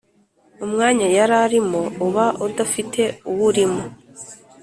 umwanya yari arimo uba udafite uwurimo